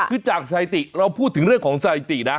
คือจากสถิติเราพูดถึงเรื่องของสถิตินะ